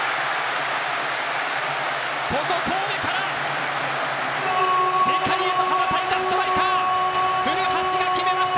ここ神戸から世界へと羽ばたいたストライカー古橋が決めました。